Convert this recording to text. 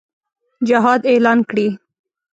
جهاد اعلان کړي.